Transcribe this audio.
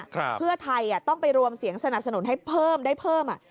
เพื่อไทยต้องไปรวมเสียงสนับสนุนให้เพิ่มได้เพิ่มอ่ะ